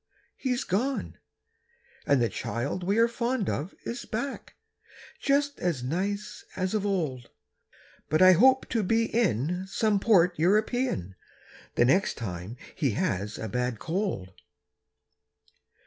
He's gone, and the child we are fond of Is back, just as nice as of old. But I hope to be in some port European The next time he has a bad cold.